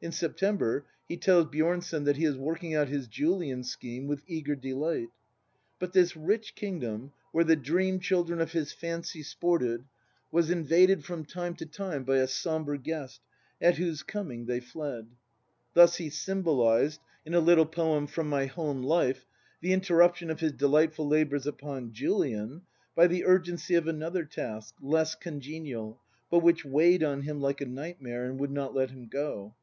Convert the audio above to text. In September he tells Bjornson that he is working out his Julian scheme " with eager delight." * But this " rich kingdom," where the dream children of his fancy sported, was invaded from time to time by a sombre guest, at whose coming they fled. Thus he symbolised, in a little poem From My Home Life, the interruption of his delightful labours upon Julian, by the urgency of another task, less congenial, but which weighed on him like a nightmare and would not let him go.